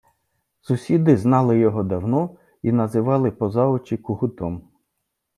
Сусіди знали його давно і називали поза очі кугутом